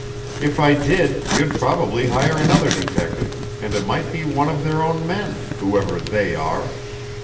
If I did, you'd probably hire another detective, and it might be one of their own men whoever they are.